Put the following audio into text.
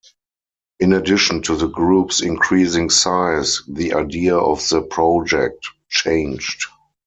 In addition to the group's increasing size, the idea of the project changed.